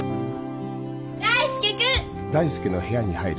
大介君！